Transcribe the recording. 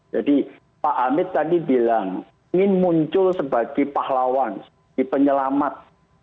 jadi pak amit tadi bilang ingin muncul sebagai pahlawan penyelamat